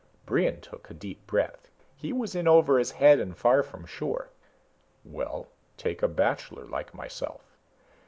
Brion took a deep breath. He was in over his head and far from shore. "Well take a bachelor like myself.